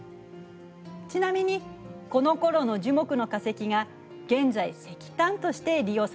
ちなみにこのころの樹木の化石が現在石炭として利用されているのよ。